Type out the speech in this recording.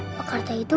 pak karta itu